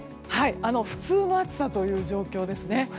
普通の暑さという状況ですね。